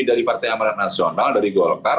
dari partai amarat nasional dari golkar